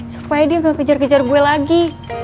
supaya dia nggak kejar kejar gue lagi